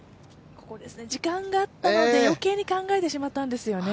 時間があったので余計に考えてしまったんですよね。